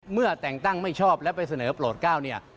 เมื่อแต่งตั้งไม่ชอบและไปเสนอโปรดก้าวเนี่ย